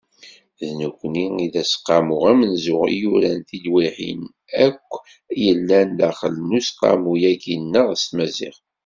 D nekkni i d Aseqqamu amenzu i yuran tilwiḥin akk yellan daxel n Useqqamu-agi-nneɣ s tmaziɣt.